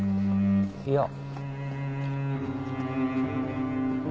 いや。